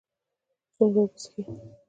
څومره اوبه څښئ؟